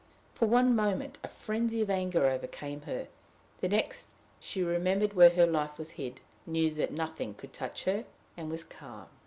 For one moment a frenzy of anger overcame her; the next, she remembered where her life was hid, knew that nothing could touch her, and was calm.